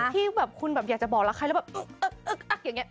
ที่แบบคุณแบบอยากจะบอกรักใครแล้วแบบอึ๊กอักอย่างนี้